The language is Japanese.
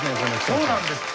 そうなんです。